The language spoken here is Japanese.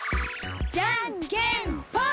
じゃんけんぽん！